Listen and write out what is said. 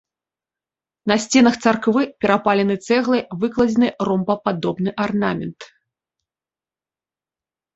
На сценах царквы перапаленай цэглай выкладзены ромбападобны арнамент.